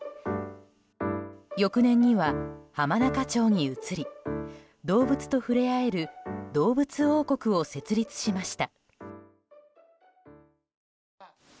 翌年には浜中町に移り動物と触れ合える動物王国を設立しました。